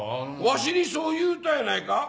わしにそう言うたやないか！